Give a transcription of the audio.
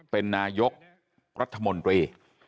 เป็นนายกรัฐมนตรี